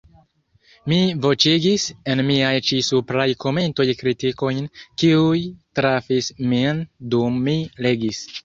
Mi voĉigis en miaj ĉi-supraj komentoj kritikojn, kiuj trafis min dum mi legis.